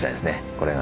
これが。